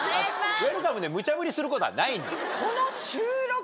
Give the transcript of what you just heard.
ウエルカムでむちゃぶりすることはないのよ。